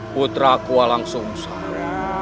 putra ku langsung usah